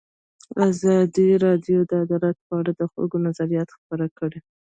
ازادي راډیو د عدالت په اړه د خلکو نظرونه خپاره کړي.